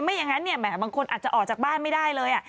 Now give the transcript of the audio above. ไม่อย่างนั้นบางคนอาจจะออกจากบ้านไม่ได้เลย